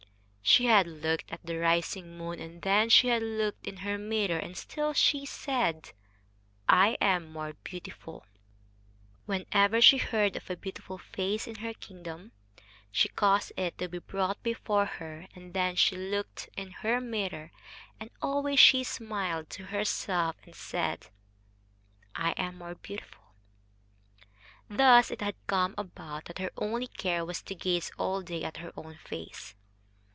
She had looked at the rising moon, and then she had looked in her mirror and still she said, "I am more beautiful." Whenever she heard of a beautiful face in her kingdom she caused it to be brought before her, and then she looked in her mirror, and always she smiled to herself and said, "I am more beautiful." Thus it had come about that her only care was to gaze all day at her own face.